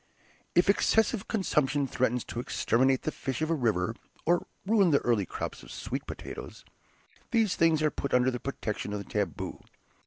If excessive consumption threatens to exterminate the fish of a river, or ruin the early crop of sweet potatoes, these things are put under the protection of the taboo.